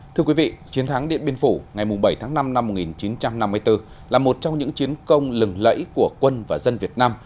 thưa quý vị chiến thắng điện biên phủ ngày bảy tháng năm năm một nghìn chín trăm năm mươi bốn là một trong những chiến công lừng lẫy của quân và dân việt nam